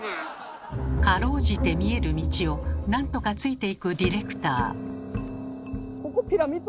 かろうじて見える道を何とかついていくディレクター。